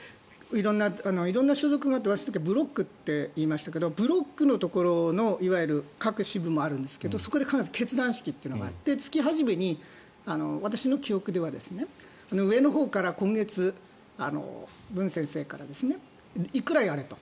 色んな所属があって私の時はブロックといいましたがブロックのところの各支部もあるんですけどそこで必ず結団式というのがあって、月初めに私の記憶では上のほうから今月、ブン先生からいくらやれと。